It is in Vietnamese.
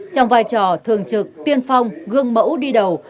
trong vai trò thường trực tiên phong gương mẫu đi đầu